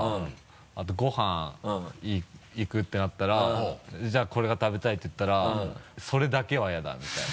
あとご飯行くってなったら「じゃあこれが食べたい」って言ったら「それだけは嫌だ」みたいな。